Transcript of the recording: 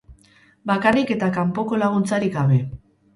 Bakarrik eta kanpoko laguntzarik gabe.